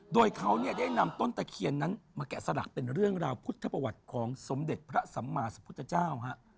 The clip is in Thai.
โดยเขาเนี่ยได้นำต้นตะเคียนนั้นมาแกะสลักเป็นเรื่องราวพุทธประวัติของสมเด็จพระสัมมาสพุทธเจ้าฮะ